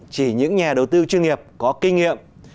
chỉ những nhà đầu tư chuyên nghiệp có kinh nghiệm